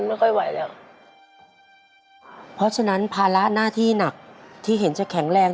พี่ก็ต้องเป็นภาระของน้องของแม่อีกอย่างหนึ่ง